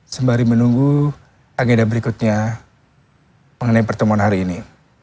sembari menunggu agenda berikutnya mengenai pertemuan hari ini